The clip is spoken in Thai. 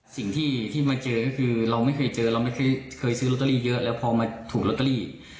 สิ่งที่มาเจอก็คือเราไม่เคยเจอเราไม่เคยซื้อลอตเตอรี่เยอะแล้วพอมาถูกลอตเตอรี่